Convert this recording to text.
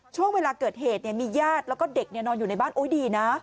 ช่วงเวลาเกิดเหตุเนี่ยมีญาติแล้วก็เด็กเนี่ยนอนอยู่ในบ้านโอ้ยดีนะ